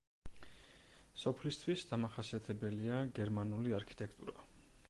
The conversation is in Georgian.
სოფლისთვის დამახასიათებელია გერმანული არქიტექტურა.